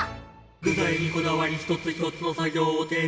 「具材にこだわり一つ一つの作業をていねいに」